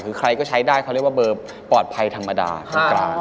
คือใครก็ใช้ได้เขาเรียกว่าเบอร์ปลอดภัยธรรมดากลาง